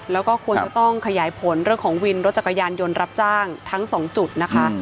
แล้วก็ควรจะต้องขยายผลเรื่องของวินรถจักรยานยนต์รับจ้างทั้งสองจุดนะคะ